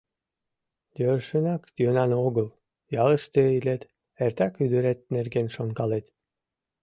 Йӧршынак йӧнан огыл: ялыште илет — эртак ӱдырет нерген шонкалет.